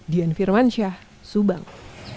dian firmansyah subang